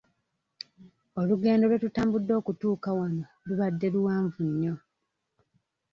Olugendo lwe tutambudde okutuuka wano lubadde luwanvu nnyo.